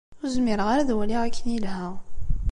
Ur zmireɣ ara ad waliɣ akken ilha.